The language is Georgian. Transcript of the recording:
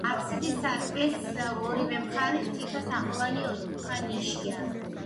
აფსიდის სარკმლის ორივე მხარეს თითო თაღოვანი, ოთხკუთხა ნიშია.